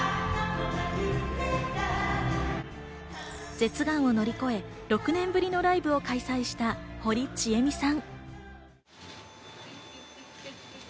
舌がんを乗り越え、６年ぶりのライブを開催した堀ちえみさん。